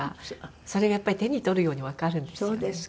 それがやっぱり手に取るようにわかるんですよね。